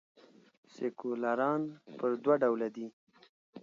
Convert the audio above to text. سیکولران پر دوه ډوله دي.